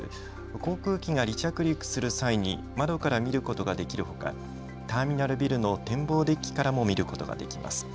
航空機が離着陸する際に窓から見ることができるほかターミナルビルの展望デッキからも見ることができます。